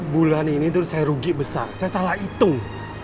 bulan ini saya rugi besar saya salah hitung